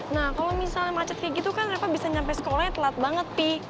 nah kalau misalnya macet kayak gitu kan mereka bisa nyampe sekolahnya telat banget sih